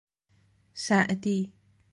سعدی